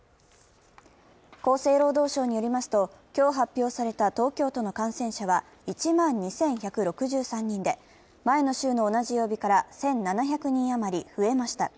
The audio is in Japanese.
厚生労働省によりますと、今日発表された東京都の感染者は１万２１６３人で前の週の同じ曜日から１７００人余り増えました。